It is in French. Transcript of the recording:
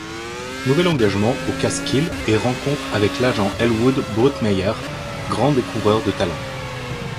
Nouvel engagement aux Catskills et rencontre avec l’agent Elwood Brookmeyer, grand découvreur de talent.